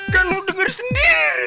kan lu denger sendiri